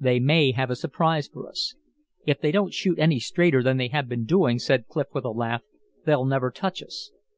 They may have a surprise for us." "If they don't shoot any straighter than they have been doing," said Clif with a laugh, "they'll never touch us."